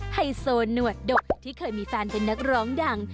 ไฮโซหนวดดกที่เคยมีแฟนเป็นนักร้องดัง